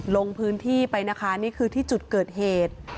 ลงพื้นที่ไปนะคะนี่คือที่จุดเกิดเหตุ